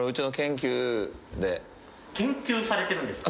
研究されてるんですか。